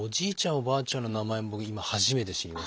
おばあちゃんの名前も今初めて知りました。